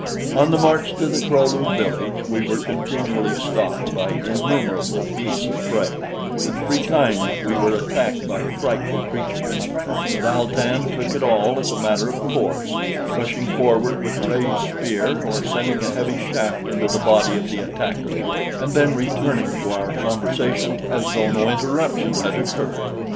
On the march to the Kro lu village we were continually stalked by innumerable beasts of prey, and three times we were attacked by frightful creatures; but Al tan took it all as a matter of course, rushing forward with raised spear or sending a heavy shaft into the body of the attacker and then returning to our conversation as though no interruption had occurred.